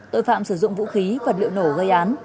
tội phạm sử dụng vũ khí vật liệu nổ gây án